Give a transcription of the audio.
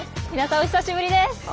皆さんお久しぶりです。